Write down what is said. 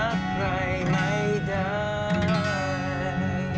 ช่วยบอกได้